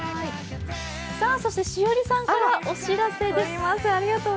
そして栞里さんからお知らせです。